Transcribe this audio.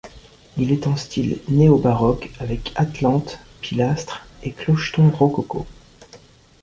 Il est en style néobaroque avec atlantes, pilastres et clocheton rococo.